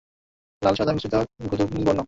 লাল-সাদায় মিশ্রিত গোধুমবর্ণ।